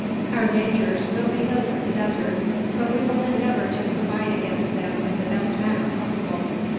Our dangers will be those of the desert; but we will endeavour to provide against them in the best manner possible.